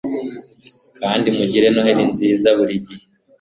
kandi mugire noheri nziza - burigihe